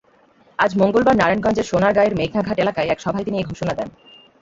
আজ মঙ্গলবার নারায়ণগঞ্জের সোনারগাঁয়ের মেঘনাঘাট এলাকায় এক সভায় তিনি এ ঘোষণা দেন।